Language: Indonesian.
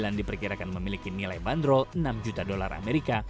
n dua ratus sembilan belas diperkirakan memiliki nilai bandrol enam juta dolar amerika